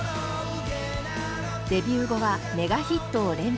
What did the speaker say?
デビュー後はメガヒットを連発。